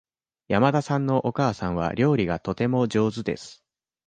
山田さんのお母さんは料理がとても上手です。